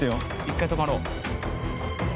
一回止まろう。